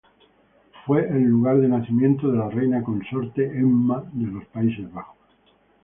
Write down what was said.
Fue el lugar de nacimiento de la reina consorte Emma de los Países Bajos.